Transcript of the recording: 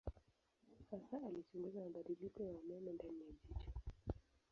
Hasa alichunguza mabadiliko ya umeme ndani ya jicho.